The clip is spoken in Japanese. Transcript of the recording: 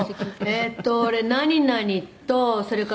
「“えっと俺何々とそれからハンバー”」